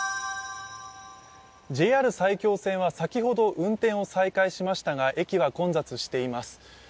ＪＲ埼京線は先ほど運転を再開しましたが駅は混雑しています。